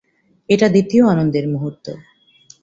এটা দ্বিতীয় আনন্দের মুহূর্ত।